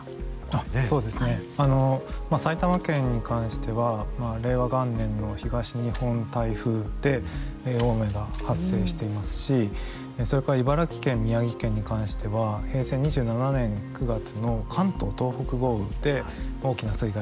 あの埼玉県に関しては令和元年の東日本台風で大雨が発生していますしそれから茨城県宮城県に関しては平成２７年９月の関東・東北豪雨で大きな水害が発生しています。